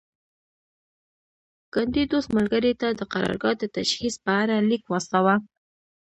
کاندیدوس ملګري ته د قرارګاه د تجهیز په اړه لیک واستاوه